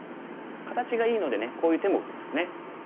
形がいいのでねこういう手も打てますね。